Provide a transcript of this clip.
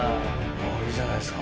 いいじゃないですか。